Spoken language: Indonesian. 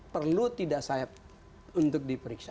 perlu tidak sayap untuk diperiksa